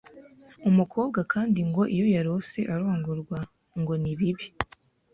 Umukobwa kandi ngo iyo yarose arongorwa ngo ni bibi